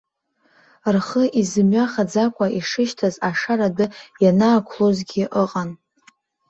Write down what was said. Рхы изымҩахаӡакәа ишышьҭаз ашара адәы ианаақәлозгьы ыҟан.